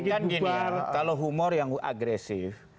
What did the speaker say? kemudian gini kalau humor yang agresif